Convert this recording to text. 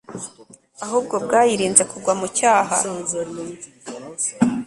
ahubwo bwayirinze kugwa mu cyaha